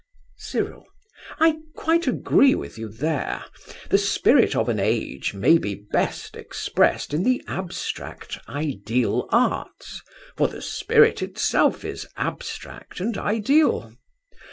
CYRIL. I quite agree with you there. The spirit of an age may be best expressed in the abstract ideal arts, for the spirit itself is abstract and ideal.